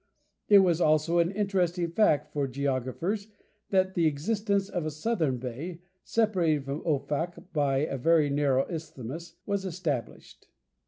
It was also an interesting fact for geographers that the existence of a southern bay, separated from Offak by a very narrow isthmus, was established.